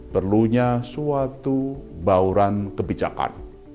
perlunya suatu bauran kebijakan